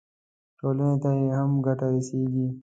ټولنې ته یې هم ګټه رسېږي.